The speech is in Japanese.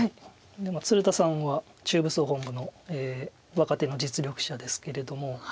鶴田さんは中部総本部の若手の実力者ですけれども。